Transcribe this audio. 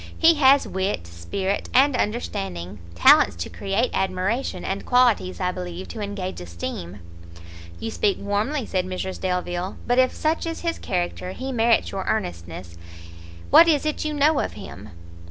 he has wit, spirit, and understanding, talents to create admiration, and qualities, I believe, to engage esteem!" "You speak warmly," said Mrs Delvile; "but if such is his character, he merits your earnestness. What is it you know of him?"